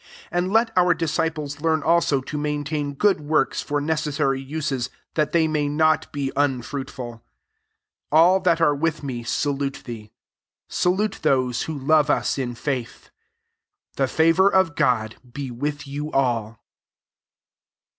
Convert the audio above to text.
14 And let our disci/tlea learn also to main tain good works for necessary uses ; that they be not un fruits fill. 15 All that are with me salute thee. Salute those who love us in faith. The favour of God be with you all.